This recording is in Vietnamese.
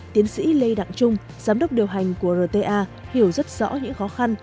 tiến sĩ lê đặng trung giám đốc điều hành của rta hiểu rất rõ những khó khăn